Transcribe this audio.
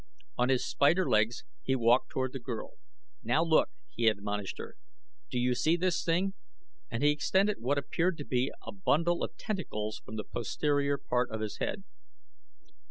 On his spider legs he walked toward the girl. "Now look," he admonished her. "Do you see this thing?" and he extended what appeared to be a bundle of tentacles from the posterior part of his head.